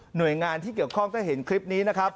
โดยงานที่เกี่ยวข้องถ้าเห็นคลิปนี้นะครับ